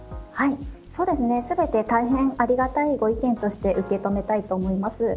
全て大変ありがたいご意見として受け止めたいと思います。